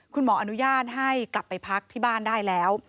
คุณหมออนุญาตให้กลับไปพักที่บ้านได้แล้ว